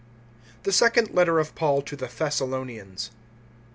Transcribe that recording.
THE SECOND LETTER OF PAUL TO THE THESSALONIANS.